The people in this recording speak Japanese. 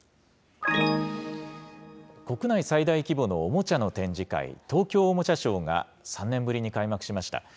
国内最大規模のおもちゃの展示会、東京おもちゃショーが３年ぶりに開幕しました。